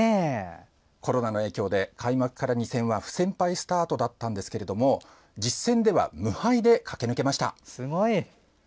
コロナの影響で開幕からの２戦は不戦敗スタートだったんですが実戦では無敗で駆け抜けました。